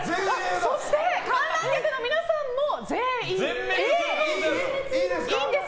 そして観覧客の皆さんも全員Ａ！